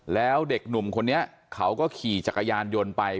แล้วเด็กหนุ่มคนนี้เขาก็ขี่จักรยานยนต์ไป